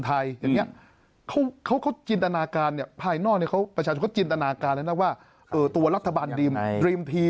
พักไหนเป็นไหมเสรีรวมไทยอย่างนี้